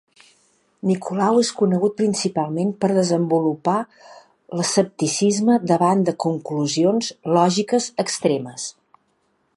Nicolau és conegut principalment per desenvolupar l'escepticisme davant de conclusions lògiques extremes.